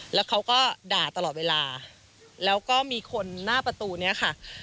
แล้วเขาก็ด่าตลอดเวลาแล้วก็มีคนหน้าประตูนี้ค่ะ